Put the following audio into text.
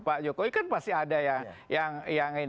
pak jokowi kan pasti ada yang